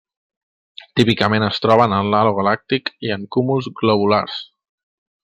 Típicament es troben en l'halo galàctic i en cúmuls globulars.